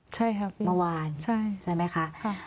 ใช่ครับใช่ค่ะเมื่อวานใช่ไหมคะ